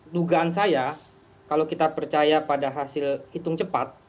dugaan saya kalau kita percaya pada hasil hitung cepat